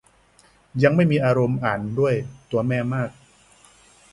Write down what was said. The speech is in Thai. ยังไม่มีอารมณ์อ่านด้วย ตัวแม่มาก